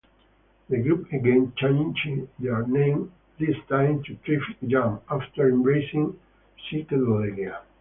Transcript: The group again changed their name, this time to "Traffic Jam", after embracing psychedelia.